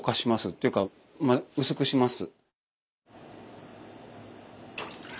ていうか薄くします。